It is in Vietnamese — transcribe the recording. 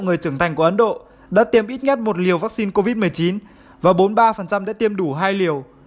người trưởng thành của ấn độ đã tiêm ít nhất một liều vaccine covid một mươi chín và bốn mươi ba đã tiêm đủ hai liều